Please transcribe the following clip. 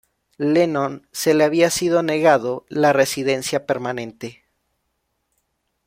Lennon se le había sido negado la residencia permanente.